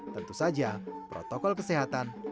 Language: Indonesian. tentu saja protokol kesehatan